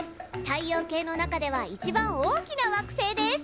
太陽系の中では一番大きな惑星です。